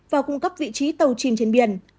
và cung cấp vị trí tàu chìm trên biển